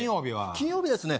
金曜日はですね